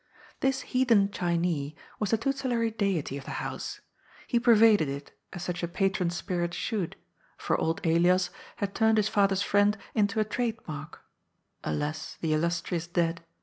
This heathen Chinee was the tutelary deity of the house. He pervaded it, as such a patron spirit should, for old Elias had turned his father's friend into a trademark^alas, the illustrious dead!